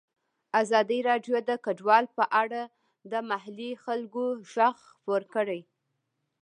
ازادي راډیو د کډوال په اړه د محلي خلکو غږ خپور کړی.